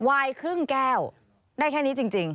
วายครึ่งแก้วได้แค่นี้จริง